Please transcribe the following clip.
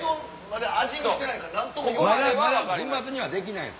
まだ粉末にはできない。